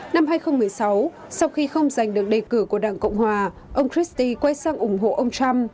năm hai nghìn một mươi sáu sau khi không giành được đề cử của đảng cộng hòa ông christie quay sang ủng hộ ông trump